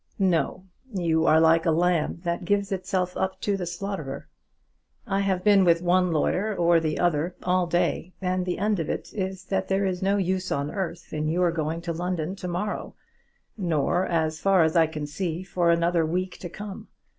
"No; you are like a lamb that gives itself up to the slaughterer. I have been with one lawyer or the other all day, and the end of it is that there is no use on earth in your going to London to morrow, nor, as far as I can see, for another week to come.